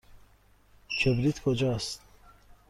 کبریت کجاست؟